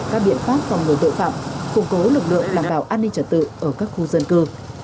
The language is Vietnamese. các biện pháp phòng ngừa tội phạm củng cố lực lượng đảm bảo an ninh trật tự ở các khu dân cư